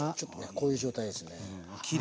こういう状態ですね。